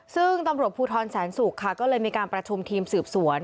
ซึ่งตำรวจภูทรแสนศุกร์ค่ะก็เลยมีการประชุมทีมสืบสวน